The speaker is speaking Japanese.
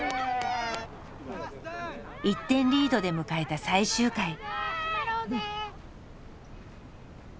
１点リードで迎えた最終回。